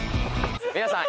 皆さん